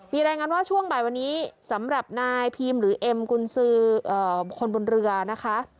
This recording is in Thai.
มีรายงานว่าช่วงบ่ายวันนี้สำหรับนายพีมหรือเอ็มกุญสือคนบนเรือนะคะ